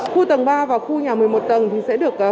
khu tầng ba và khu nhà một mươi một tầng sẽ được bố trí